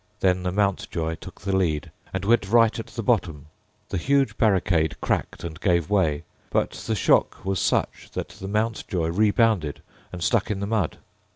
Then the Mountjoy took the lead, and went right at the bottom. The huge barricade cracked and gave way: but the shock was such that the Mountjoy rebounded, and stuck in the mud.